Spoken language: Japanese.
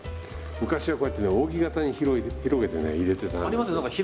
昔はこうやってね扇形に広げてね入れてた。